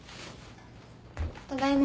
ただいま。